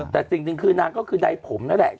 แต่จริงนางก็คือด๋าผมนั่นแหละ